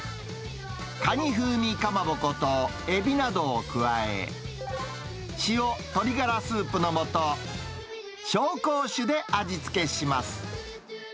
カニ風味かまぼことエビなどを加え、塩、鶏ガラスープのもと、紹興酒で味付けします。